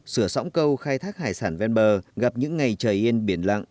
sửa sõng câu khai thác hải sản ven bờ gặp những ngày trời yên biển lặng